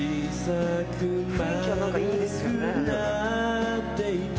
雰囲気はなんかいいですよね。